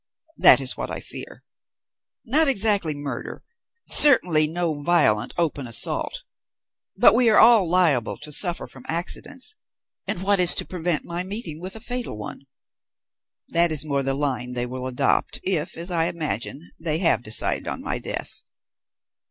That is what I fear. Not exactly murder; certainly no violent open assault. But we are all liable to suffer from accidents, and what is to prevent my meeting with a fatal one? That is more the line they will adopt, if, as I imagine, they have decided on my death."